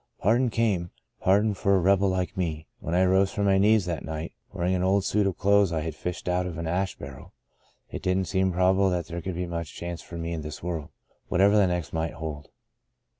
Pardon came — pardon for a rebel like me. When I rose from my knees that night, wearing an old suit of clothes I had fished out of an ash barrel, it didn't seem probable that there could be much chance for me in this world — whatever the next might hold.